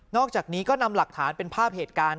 อกจากนี้ก็นำหลักฐานเป็นภาพเหตุการณ์